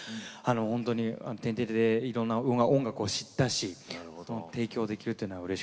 本当に「天てれ」でいろんな音楽を知ったし提供できるというのはうれしかったですね。